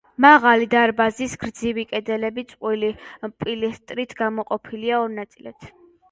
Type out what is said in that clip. მაღალი დარბაზის გრძივი კედლები წყვილი პილასტრით გამოყოფილია ორ ნაწილად.